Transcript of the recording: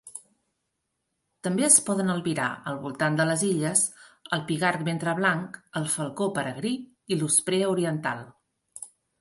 També es poden albirar al voltat de les illes el pigarg ventre-blanc, el falcó peregrí i l'osprea oriental.